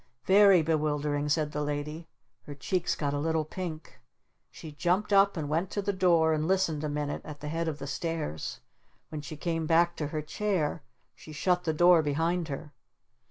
"Very bewildering," said the Lady. Her cheeks got a little pink. She jumped up and went to the door and listened a minute at the head of the stairs. When she came back to her chair she shut the door behind her.